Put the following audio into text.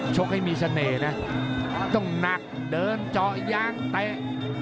กให้มีเสน่ห์นะต้องหนักเดินเจาะยางเตะ